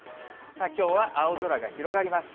きょうは青空が広がります。